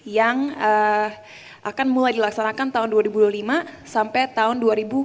yang akan mulai dilaksanakan tahun dua ribu dua puluh lima sampai tahun dua ribu dua puluh